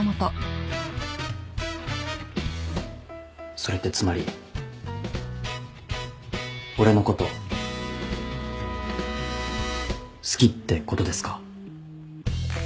それってつまり俺のこと好きってことですか？